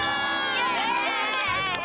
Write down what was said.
イエーイ！